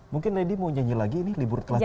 mungkin nedy mau nyanyi lagi ini libur telah tiba